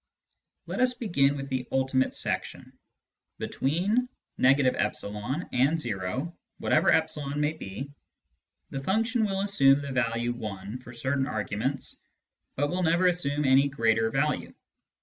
Let us begin with the " ultimate section." Between — e and o, whatever e may be, the function will assume the value i for certain arguments, but will never assume any greater value.